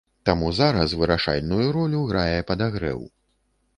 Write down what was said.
Таму зараз вырашальную ролю грае падагрэў.